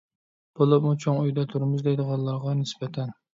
بولۇپمۇ چوڭ ئۆيدە تۇرىمىز دەيدىغانلارغا نىسبەتەن.